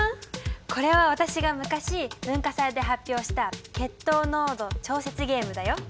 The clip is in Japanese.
これは私が昔文化祭で発表した血糖濃度調節ゲームだよ。